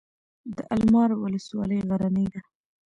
د المار ولسوالۍ غرنۍ ده